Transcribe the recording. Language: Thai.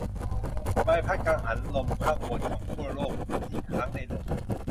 ใบพัดกังหันลมข้างบนของขั้วโลกหมุนอีกครั้งในลม